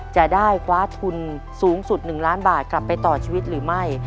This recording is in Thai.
จะได้คว้าทุนสูงสุด๑ล้านบาทกลับไปต่อชีวิตหรือไม่